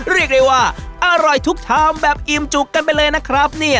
เรียกได้ว่าอร่อยทุกชามแบบอิ่มจุกกันไปเลยนะครับเนี่ย